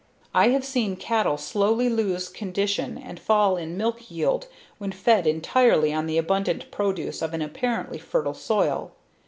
I have seen cattle slowly lose condition and fall in milk yield when fed entirely on the abundant produce of an apparently fertile soil.